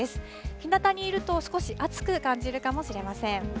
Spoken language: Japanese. ひなたにいると少し暑く感じるかもしれません。